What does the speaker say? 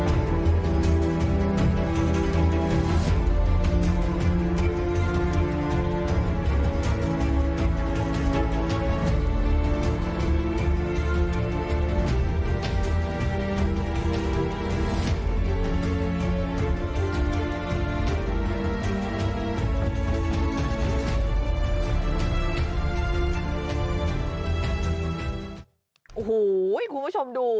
โอ้โหคุณผู้ชมดู